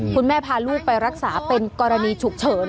พาลูกไปรักษาเป็นกรณีฉุกเฉิน